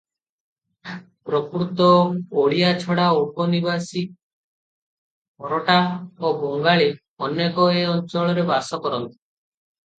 ପ୍ରକୃତ ଓଡ଼ିୟା ଛଡ଼ା ଉପନିବାସୀ ଖୋରଟା ଓ ବଙ୍ଗାଳୀ ଅନେକ ଏ ଅଞ୍ଚଳରେ ବାସ କରନ୍ତି ।